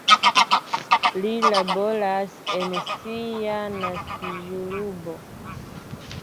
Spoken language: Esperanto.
Li laboras en sia naskiĝurbo.